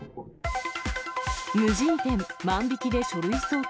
無人店、万引きで書類送検。